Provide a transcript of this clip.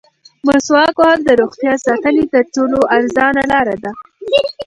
مسواک وهل د روغتیا ساتنې تر ټولو ارزانه لاره ده.